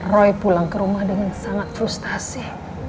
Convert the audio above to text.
roy pulang ke rumah dengan sangat frustasi